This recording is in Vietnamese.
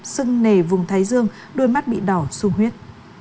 sưng nề vùng thái dương đôi mắt bị đỏ sung huyết